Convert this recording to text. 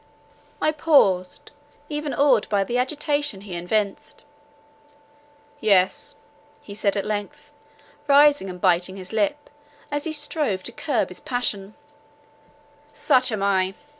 I paused, even awed by the agitation he evinced; "Yes," he said at length, rising and biting his lip, as he strove to curb his passion; "Such am I!